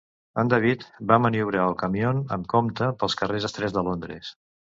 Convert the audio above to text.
En David va maniobrar el camió amb compte pels carrers estrets de Londres.